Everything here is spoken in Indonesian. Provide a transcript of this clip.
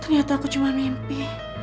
ternyata aku cuma mimpi